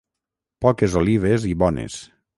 Poques olives i bones.